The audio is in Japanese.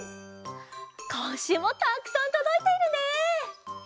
こんしゅうもたっくさんとどいているね。